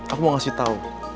aku mau ngasih tau